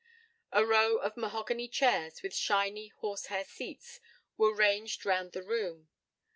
A row of mahogany chairs, with shiny, horse hair seats, were ranged round the room.